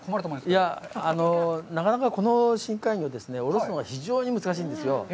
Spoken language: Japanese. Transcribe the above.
いや、なかなかこの深海魚、おろすのが非常に難しいんですよ。